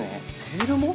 テールも？